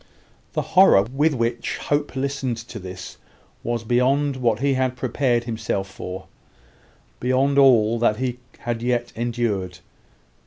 The horror with which Hope listened to this was beyond what he had prepared himself for beyond all that he had yet endured.